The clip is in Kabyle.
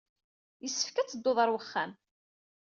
Yessefk ad teddud ɣer uxxam.